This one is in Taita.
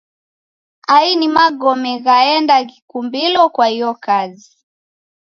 Ai ni magome ghaenga ghikumbilo kwa iyo kazi.